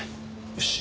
よし。